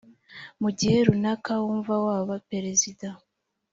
mu gihe runaka wumva waba perezida